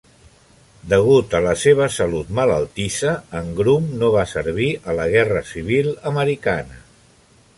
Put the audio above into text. Degut a la seva salut malaltissa, en Groome no va servir a la guerra civil americana.